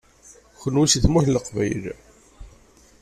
Kenwi seg Tmurt n Leqbayel?